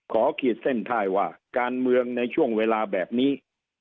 ขีดเส้นท่ายว่าการเมืองในช่วงเวลาแบบนี้